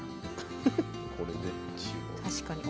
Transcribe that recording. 確かに。